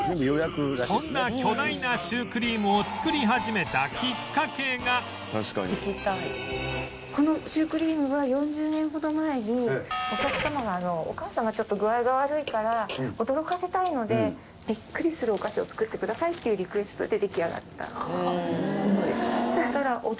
そんな巨大なシュークリームをこのシュークリームは４０年ほど前にお客様が「お母さんがちょっと具合が悪いから驚かせたいのでビックリするお菓子を作ってください」っていうリクエストで出来上がったものです。